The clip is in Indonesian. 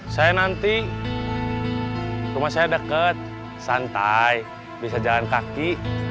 saya nanti rumah saya deket santai bisa jalan kaki